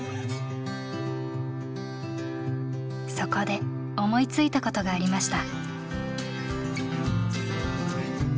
そこで思いついたことがありました。